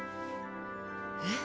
えっ？